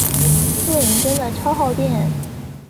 录影真的超耗电